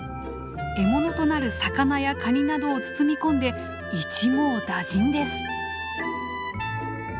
獲物となる魚やカニなどを包み込んで一網打尽です！